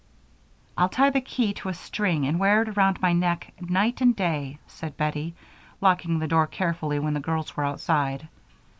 "I'll tie the key to a string and wear it around my neck night and day," said Bettie, locking the door carefully when the girls were outside.